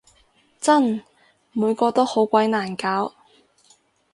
真！每個都好鬼難搞